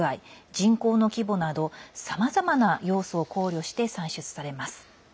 人口の規模などさまざまな要素を考慮して算出されます。